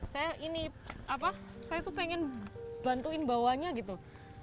saya ini apa saya tuh pengen bantuin bawahnya gitu